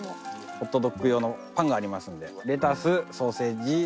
ホットドッグ用のパンがありますのでレタスソーセージの順で。